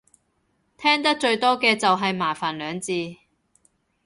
聽得最多嘅就係麻煩兩字